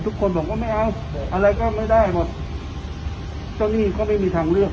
ทุกคนบอกว่าไม่เอาอะไรก็ไม่ได้หมดเจ้าหนี้ก็ไม่มีทางเลือก